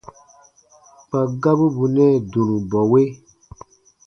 Kpa gabu bù nɛɛ dũrubɔwe.